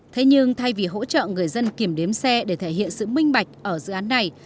thế nhưng thay vì hỗ trợ người dân kiểm đếm xe để thể hiện sự minh bạch ở dự án này